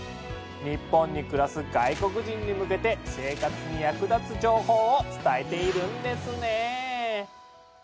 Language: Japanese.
日本に暮らす外国人に向けて生活に役立つ情報を伝えているんですね。